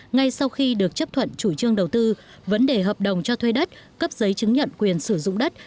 ngay sau khi được chấp thuận chủ trương đầu tư vấn đề hợp đồng cho thuê đất cấp giấy chứng nhận quyền sử dụng đất